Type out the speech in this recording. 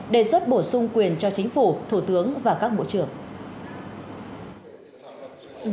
đề xuất bổ sung quyền cho chính phủ thủ tướng và các bộ trưởng